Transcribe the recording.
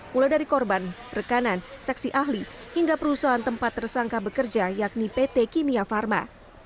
mulai dari korban rekanan saksi ahli hingga perusahaan tempat tersangka bekerja yakni pt kimia pharma